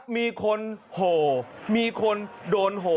มีคนโหมีคนโดนโห